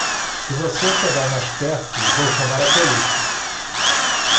se você chegar mais perto vou chamar a policia